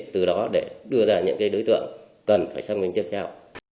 từ đó để đưa ra những đối tượng cần phải xác minh tiếp theo